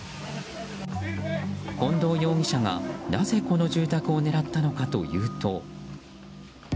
近藤容疑者が、なぜこの住宅を狙ったのかというと。